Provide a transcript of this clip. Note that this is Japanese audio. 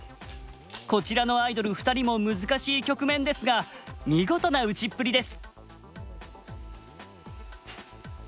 こちらのアイドル２人も難しい局面ですが見事な打ちっぷりです。